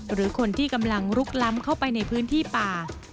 หรือคนที่กำลังลุกล้ำเข้าไปในพื้นที่ป่า